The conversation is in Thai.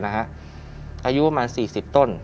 อายุประมาณ๔๐ต้น